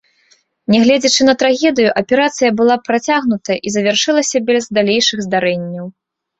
Нягледзячы на трагедыю, аперацыя была працягнутая і завяршылася без далейшых здарэнняў.